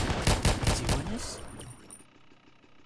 Ad tt-iwanes?